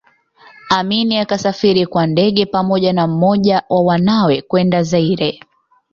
Amin akasafiri kwa ndege pamoja na mmoja wa wanawe kwenda Zaire